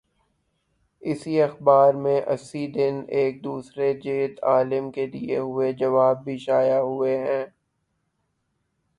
اسی اخبار میں، اسی دن، ایک دوسرے جید عالم کے دیے ہوئے جواب بھی شائع ہوئے ہیں۔